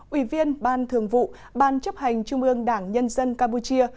ủy viên ban thường vụ ban chấp hành trung ương đảng nhân dân campuchia